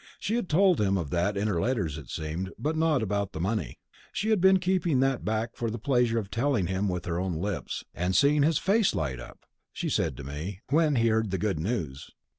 She had told him of that in her letters, it seemed, but not about the money. She had been keeping that back for the pleasure of telling him with her own lips, and seeing his face light up, she said to me, when he heard the good news.